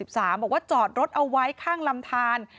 บอกว่าจอดรถเอาไว้ข้างลำทาน